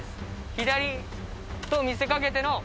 左と見せかけての。